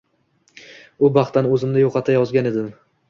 U baxtdan o‘zimni yo‘qotayozgan edim